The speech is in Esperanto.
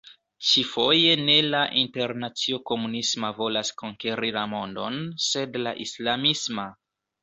Ĉi-foje ne la internacio komunisma volas konkeri la mondon, sed la islamisma.